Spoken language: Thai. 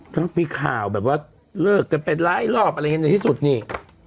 เพราะมีข่าวแบบว่าเลิกกันเป็นหลายรอบที่สุดนี่